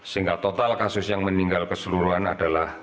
sehingga total kasus yang meninggal keseluruhan adalah sembilan belas